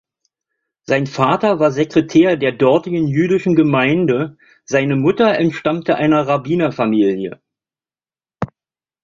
Sein Vater war Sekretär der dortigen jüdischen Gemeinde, seine Mutter entstammte einer Rabbinerfamilie.